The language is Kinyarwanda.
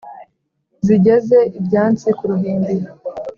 zigeze ibyansi ku ruhimbi